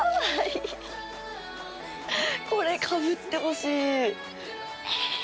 これかぶってほしい。え！